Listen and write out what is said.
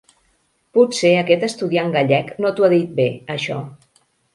Potser aquest estudiant gallec no t'ho ha dit bé, això.